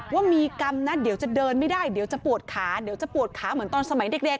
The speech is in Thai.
ว่ามีกรรมนะเดี๋ยวจะเดินไม่ได้เดี๋ยวจะปวดขาเดี๋ยวจะปวดขาเหมือนตอนสมัยเด็ก